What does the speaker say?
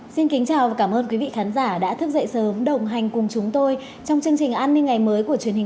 các bạn hãy đăng ký kênh để ủng hộ kênh của chúng mình nhé